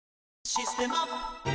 「システマ」